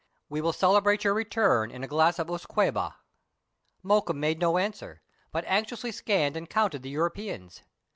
We will celebrate your return in a glass of usquebaugh." Mokoum made no answer, but anxiously scanned and counted the Europeans.